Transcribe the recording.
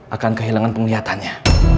akan kehilangan penglihatannya